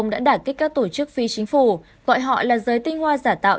đã đả kích các tổ chức phi chính phủ gọi họ là giới tinh hoa giả tạo